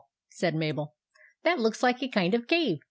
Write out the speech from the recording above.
" said Mabel, " that looks like a kind of cave.